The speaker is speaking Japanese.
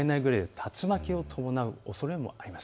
竜巻を伴うおそれもあります。